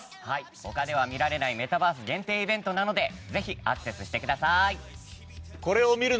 他では見られないメタバース限定イベントなのでぜひアクセスしてください。